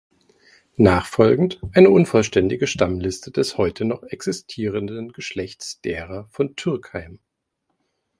Nachfolgend eine unvollständige Stammliste des heute noch existierenden Geschlechts derer von Türkheim.